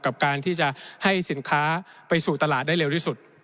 กับการที่จะให้สินค้าไปสู่ตลาดได้เร็วที่สุด